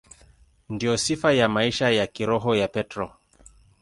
Ndiyo sifa ya maisha ya kiroho ya Petro.